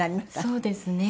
そうですね。